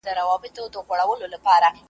زه لکه سیوری .